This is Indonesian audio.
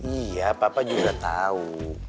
iya papa juga tau